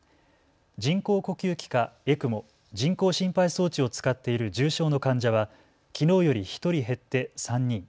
人工呼吸器かＥＣＭＯ・人工心肺装置を使っている重症の患者はきのうより１人減って３人。